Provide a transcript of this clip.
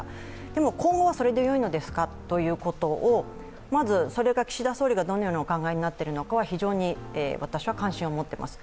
でも今後はそれでよいのですかということをまずそれが岸田総理がどのようにお考えになっているのかは、非常に私は関心を持っております